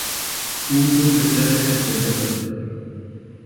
او دو پسر خپله دارد.